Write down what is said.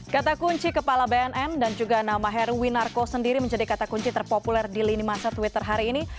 kata kunci kepala bnn dan juga nama heruwinarko sendiri menjadi kata kunci terpopuler di lini masa twitter hari ini